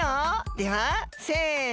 ではせの。